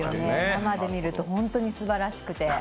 生で見ると本当にすばらしくて。